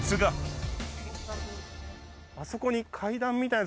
あそこに。